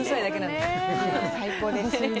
最高です。